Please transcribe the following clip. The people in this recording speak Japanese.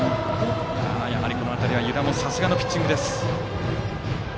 やはり、この辺りは湯田もさすがのピッチング。